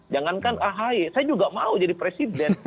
jangankan ahy saya juga mau jadi presiden